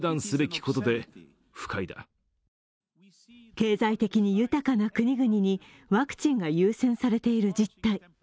経済的に豊かな国々にワクチンが優先されている実態。